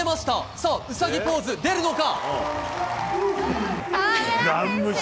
さあ、うさぎポーズ出るのか？